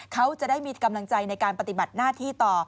เขาจะได้มีกำลังใจในการปฏิบัติหน้าที่ต่อ